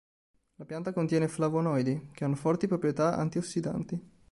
La pianta contiene flavonoidi, che hanno forti proprietà anti-ossidanti.